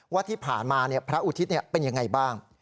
ว่าที่ผ่านมาเนี่ยพระอุทิศเนี่ยเป็นยังไงบ้าง